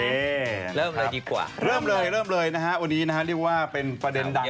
นี่เริ่มเลยดีกว่าเริ่มเลยเริ่มเลยนะฮะวันนี้นะฮะเรียกว่าเป็นประเด็นดัง